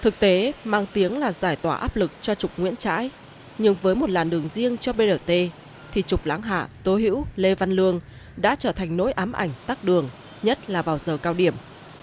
thực tế mang tiếng là giải tỏa áp lực cho trục nguyễn trãi nhưng với một làn đường riêng cho brt thì trục láng hạ tố hữu lê văn lương đã trở thành nỗi ám ảnh tắt đường nhất là vào giờ cao điểm